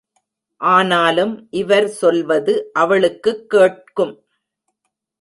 ஆனாலும் இவர் சொல்வது அவளுக்குக் கேட்கும்.